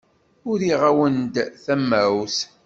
Uriɣ-awen-d tamawt.